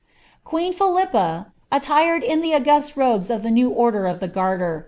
Qdmui Philippa, aiiired in the august robes of the new order of the Gaiter.'